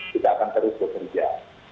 kita akan terus bekerja